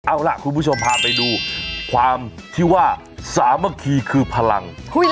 เอาล่ะคุณผู้ชมพาไปดูความที่ว่าสามัคคีคือพลัง